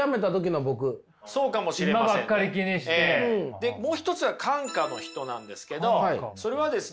でもう一つは閑暇の人なんですけどそれはですね